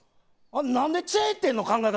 なんでチェーン店の考え方